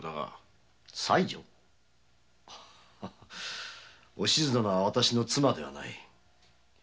いやおしず殿はわたしの妻ではない。